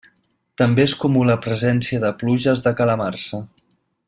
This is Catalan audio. També és comú la presència de pluges de calamarsa.